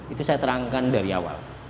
itu saya terangkan dari awal